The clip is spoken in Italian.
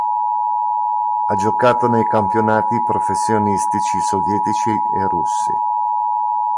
Ha giocato nei campionati professionisitci sovietici e russi.